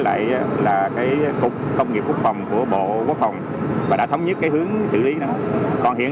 lại là cái cục công nghiệp quốc phòng của bộ quốc phòng và đã thống nhất cái hướng xử lý nó còn hiện